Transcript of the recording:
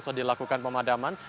sudah dilakukan pemadaman